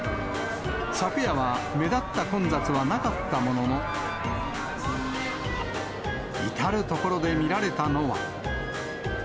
昨夜は目立った混雑はなかったものの、至る所で見られたのは。